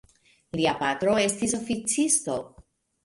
Lia patro estis oficisto.